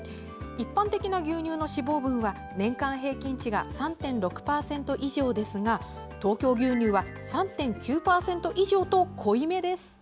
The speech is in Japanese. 一般的な牛乳の脂肪分は年間平均値が３．６％以上ですが東京牛乳は３．９％以上と濃いめです。